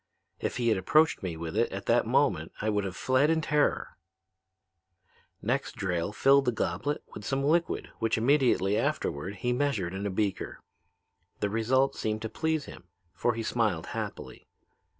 If he had approached me with it at that moment I would have fled in terror. "Next, Drayle filled the goblet with some liquid which immediately afterward he measured in a beaker. The result seemed to please him, for he smiled happily.